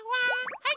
はい。